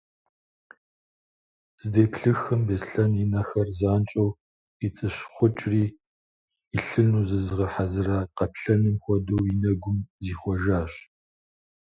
Здеплъыхым Беслъэн и нэхэр занщӏэу къицӏыщхъукӏри, илъыну зызыгъэхьэзыра къаплъэным хуэдэу, и нэгум зихъуэжащ.